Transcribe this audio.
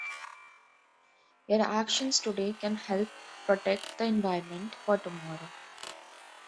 Your actions today can help protect the environment for tomorrow.